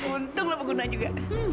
untung lo pengguna juga